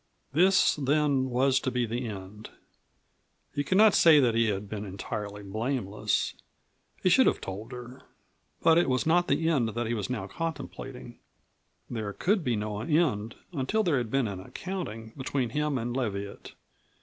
This, then, was to be the end. He could not say that he had been entirely blameless. He should have told her. But it was not the end that he was now contemplating. There could be no end until there had been an accounting between him and Leviatt.